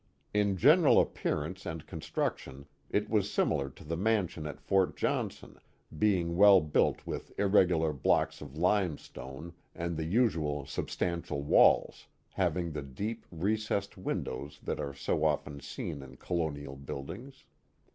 In general appearance and construction it was similar to the mansion at Fort John son, being well built with irregular blocks of limestone and the usual substantial walls, having the deep recessed windows that are so often seen in Colonial buildings.